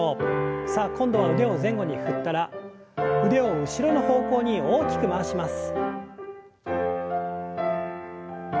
さあ今度は腕を前後に振ったら腕を後ろの方向に大きく回します。